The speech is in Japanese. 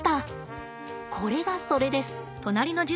これがそれです。